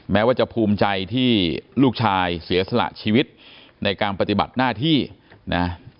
แม้ว่าจะภูมิใจที่ลูกชายเสียสละชีวิตในการปฏิบัติหน้าที่นะ